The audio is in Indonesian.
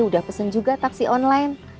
udah pesen juga taksi online